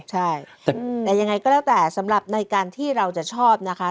ใช่แต่ยังไงก็แล้วแต่สำหรับในการที่เราจะชอบนะคะ